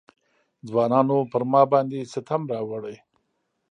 ځوانانو پر ما باندې ستم راوړی.